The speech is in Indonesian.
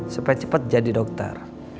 supaya cepat jadi dokter